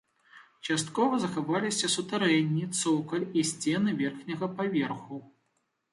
Часткова захаваліся сутарэнні, цокаль і сцены верхняга паверху.